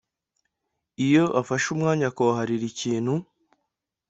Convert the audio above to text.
Iyo afashe umwanya akawuharira ikintu